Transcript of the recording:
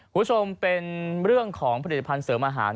คุณผู้ชมเป็นเรื่องของผลิตภัณฑ์เสริมอาหาร